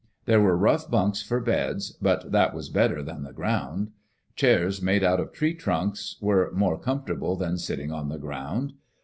There were rough bunks for beds, but that was better than the ground. Chairs made out of tree trunks were more com fortable than sitting on the ground.